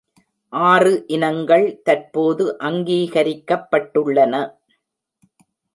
ஆறு இனங்கள் தற்போது அங்கீகரிக்கப்பட்டுள்ளன.